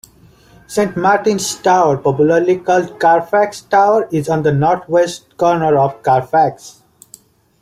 Saint Martin's Tower, popularly called "Carfax Tower", is on the northwest corner of Carfax.